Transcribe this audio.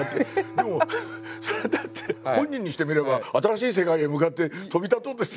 でもそれはだって本人にしてみれば新しい世界へ向かって飛び立とうとして。